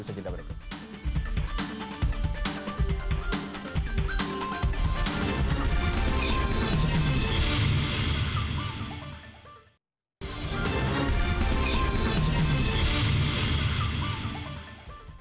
usaha jeda berikut